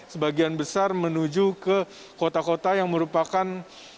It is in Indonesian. sebagian besar menuju ke kota kota yang merupakan